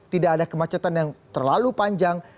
tidak ada kemacetan yang terlalu panjang